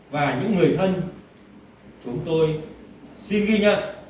và những người thân chúng tôi xin ghi nhận